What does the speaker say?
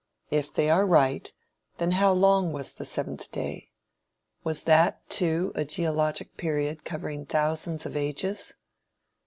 If they are right, then how long was the seventh day? Was that, too, a geologic period covering thousands of ages?